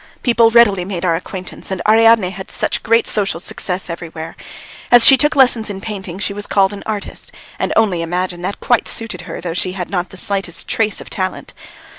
People readily made our acquaintance and Ariadne had great social success everywhere. As she took lessons in painting, she was called an artist, and only imagine, that quite suited her, though she had not the slightest trace of talent.